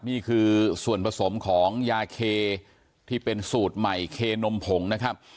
นี่คือส่วนผสมของยาเคที่เป็นสูตรใหม่เคนมผงนะครับ